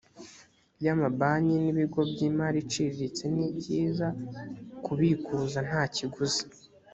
yamabanki n ibigo by imari iciriritse nibyiza kubikuza ntakiguzi